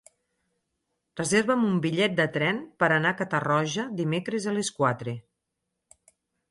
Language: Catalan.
Reserva'm un bitllet de tren per anar a Catarroja dimecres a les quatre.